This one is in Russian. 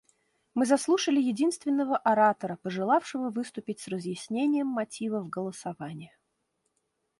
Мы заслушали единственного оратора, пожелавшего выступить с разъяснением мотивов голосования.